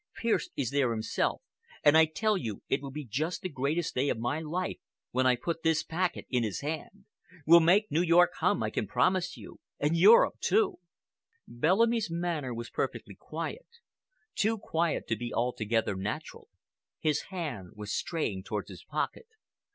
Pearce is there himself, and I tell you it will be just the greatest day of my life when I put this packet in his hand. We'll make New York hum, I can promise you, and Europe too." Bellamy's manner was perfectly quiet—too quiet to be altogether natural. His hand was straying towards his pocket.